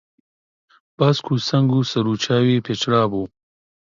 باسک و سنگ و سەر و چاوی پێچرابوو